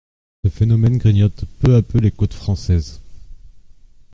Ce phénomène grignote peu à peu les côtes françaises.